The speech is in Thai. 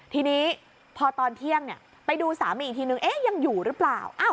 ทีนี้พอตอนเที่ยงไปดูสามีอีกทีนึงยังอยู่หรือเปล่า